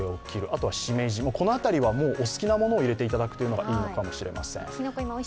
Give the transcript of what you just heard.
あとはしめじも、この辺りはお好きなものを入れていただくのがいいかもしれません。